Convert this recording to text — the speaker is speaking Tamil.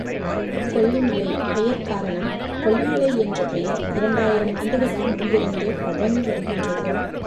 கொல்லி மலை பெயர்க் காரணம் கொல்லி மலை என்ற பெயர் இரண்டாயிரம் ஆண்டுகட்கு முன்பிருந்தே வழங்கி வருகின்றது.